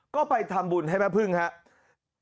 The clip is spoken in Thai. ก็ไปทำบุญให้แม่พึ่งครับ